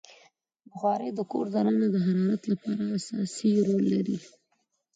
بخاري د کور دننه د حرارت لپاره اساسي رول لري.